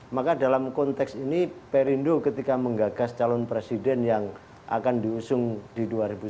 maka dalam konteks ini perindo ketika menggagas calon presiden yang akan diusung di dua ribu sembilan belas